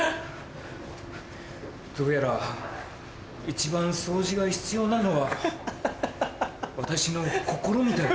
どうやら一番掃除が必要なのは私の心みたいだ。